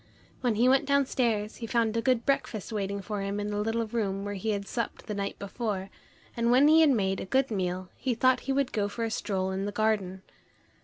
When he went downstairs, he found a good breakfast waiting for him in the little room where he had supped the night before, and when he had made a good meal, he thought he would go for a stroll in the garden.